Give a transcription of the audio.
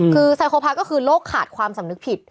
คือไซโคพาก็คือโรคขาดความสำนึกผิด